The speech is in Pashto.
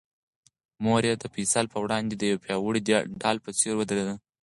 مور یې د فیصل په وړاندې د یوې پیاوړې ډال په څېر ودرېده.